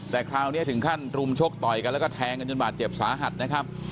แต่คราวนี้ถึงขั้นรุมชกต่อยกันแล้วก็แทงกันจนบาดเจ็บสาหัสนะครับ